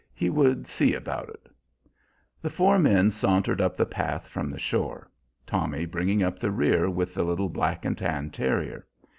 He would see about it. The four men sauntered up the path from the shore, Tommy bringing up the rear with the little black and tan terrier.